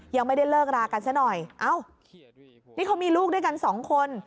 ยังไม่ได้เลิกรากันซะหน่อยเอ้านี่เขามีลูกด้วยกันสองคน